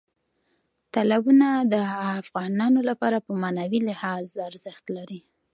تالابونه د افغانانو لپاره په معنوي لحاظ ارزښت لري.